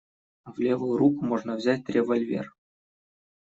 В левую руку можно взять револьвер.